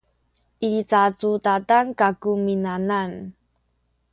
i cacudadan kaku minanam